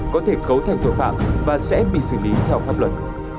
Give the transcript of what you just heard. có thể cấu thành tội phạm và sẽ bị xử lý theo pháp luật